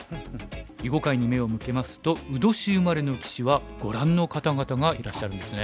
囲碁界に目を向けますと卯年生まれの棋士はご覧の方々がいらっしゃるんですね。